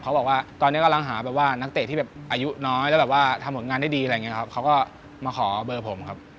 บอกว่าตอนนี้กำลังหาแบบว่านักเตะที่แบบอายุน้อยแล้วแบบว่าทำผลงานได้ดีอะไรอย่างนี้ครับเขาก็มาขอเบอร์ผมครับ